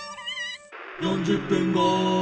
「４０分後」